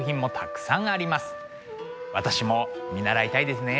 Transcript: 私も見習いたいですね。